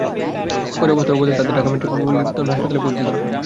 পরে অবস্থার অবনতি হলে তাঁদের ঢাকা মেট্রোপলিটন হাসপাতালে ভর্তি করা হয়।